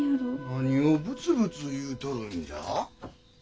何をぶつぶつ言うとるんじゃ？